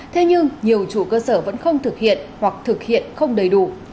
thế nhưng nhiều chủ cơ sở vẫn không thực hiện hoặc thực hiện không đầy đủ